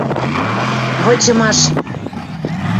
Вычымаш